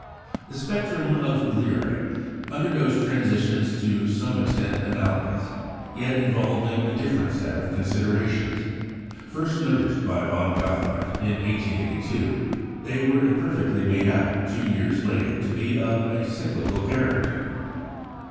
The spectrum of Beta Lyræ undergoes transitions to some extent analogous, yet involving a different set of considerations. First noticed by Von Gothard in 1882, they were imperfectly made out, two years later, to be of a cyclical character.